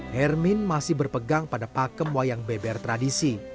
hermin masih berpegang pada pakem wayang beber tradisi